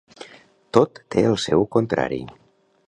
Tot té el seu contrari.